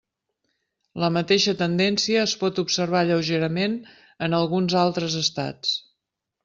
La mateixa tendència es pot observar lleugerament en alguns altres estats.